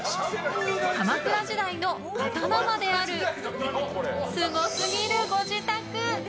鎌倉時代の刀まであるすごすぎるご自宅。